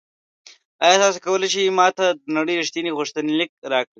ایا تاسو کولی شئ ما ته د نړۍ ریښتیني غوښتنلیک راکړئ؟